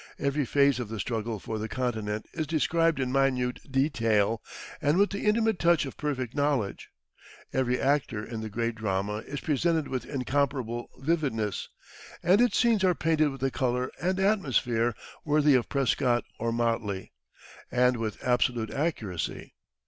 Every phase of the struggle for the continent is described in minute detail and with the intimate touch of perfect knowledge; every actor in the great drama is presented with incomparable vividness, and its scenes are painted with a color and atmosphere worthy of Prescott or Motley, and with absolute accuracy.